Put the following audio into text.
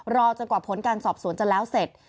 รอจนกว่าผลการสอบสวนจะแล้วเสร็จ